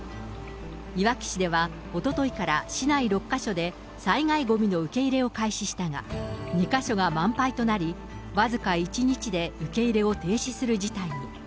いわき市では、おとといから市内６か所で、災害ごみの受け入れを開始したが、２か所が満杯となり、僅か１日で受け入れを停止する事態に。